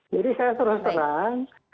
jadi saya terus terang